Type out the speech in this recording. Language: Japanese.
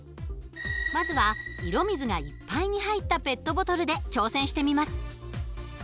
まずは色水がいっぱいに入ったペットボトルで挑戦してみます。